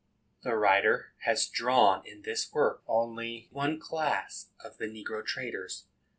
The writer has drawn in this work only one class of the negro traders.